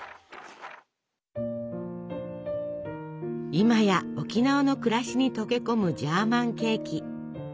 今や沖縄の暮らしに溶け込むジャーマンケーキ。